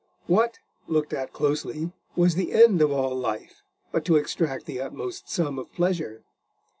What, looked at closely, was the end of all life, but to extract the utmost sum of pleasure?